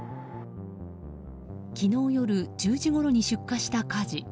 昨日夜１０時ごろに出火した火事。